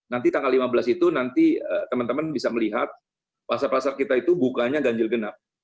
nanti tanggal lima belas itu nanti teman teman bisa melihat pasar pasar kita itu bukanya ganjil genap